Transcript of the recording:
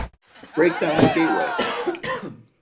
Break down the gateway!